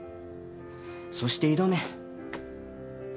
そして挑め。